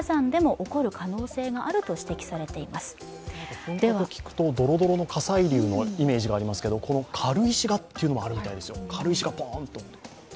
噴火と聞くとドロドロの火砕流のイメージがありますが、軽石がというのもあるみたいですよ、軽石がポーンと。